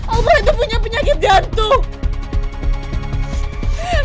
om roy itu punya penyakit jantung